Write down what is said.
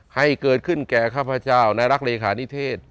ให้เกิดขึ้นแก่ข้าพเจ้าในรักเลขานิเทศ